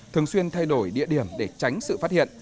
thường xuyên thay đổi địa điểm để tránh sự phát hiện